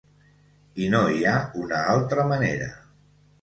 I no hi ha una altra manera.